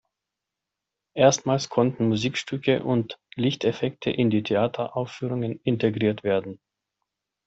Erstmals konnten Musikstücke und Lichteffekte in die Theateraufführungen integriert werden.